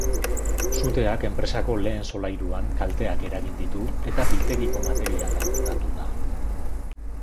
Suteak enpresako lehen solairuan kalteak eragin ditu eta biltegiko materiala hondatu da.